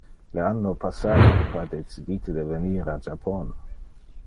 Le anno passate io ha decidite de venir a Japon.